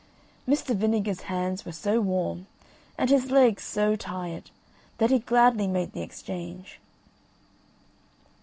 Mr. Vinegar's hands were so warm, and his legs so tired, that he gladly made the exchange.